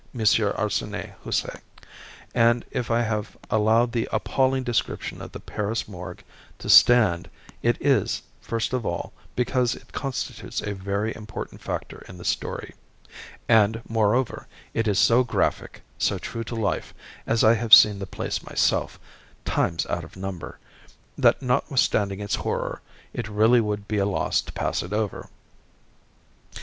Arsene Houssaye; and, if I have allowed the appalling description of the Paris Morgue to stand, it is, first of all, because it constitutes a very important factor in the story; and moreover, it is so graphic, so true to life, as I have seen the place myself, times out of number, that notwithstanding its horror, it really would be a loss to pass it over.